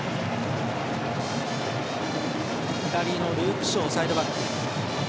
左のルーク・ショーサイドバック。